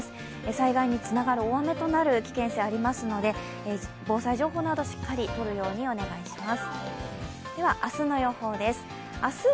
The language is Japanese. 災害につながる大雨となる危険性がありますので、防災情報など、しっかりとるようにお願いします。